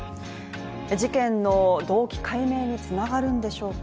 事件の動機解明につながるんでしょうか。